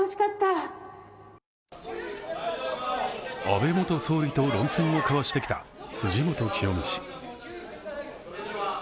安倍元総理と論戦を交わしてきた辻元清美氏。